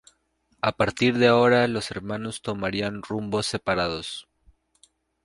A partir de ahora los hermanos tomarían rumbos separados.